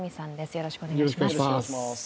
よろしくお願いします。